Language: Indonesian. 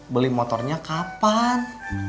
beli motornya kapan